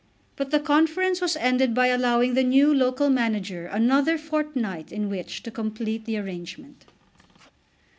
But the conference was ended by allowing the new local manager another fortnight in which to complete the arrangement.